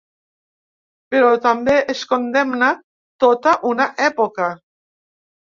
Però també es condemna tota una època.